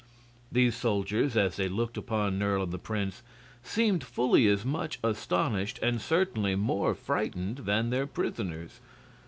These soldiers, as they looked upon Nerle and the prince, seemed fully as much astonished and certainly more frightened than their prisoners.